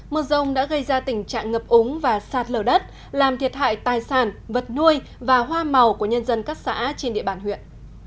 mưa rông đã gây ra tình trạng ngập úng và sạt lở đất làm thiệt hại tài sản vật nuôi và hoa màu của nhân dân các xã trên địa bàn huyện